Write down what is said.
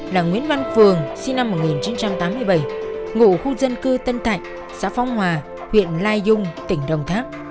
đặng nguyễn văn phường sinh năm một nghìn chín trăm tám mươi bảy ngủ khu dân cư tân thạch xã phong hòa huyện lai dung tỉnh đồng tháp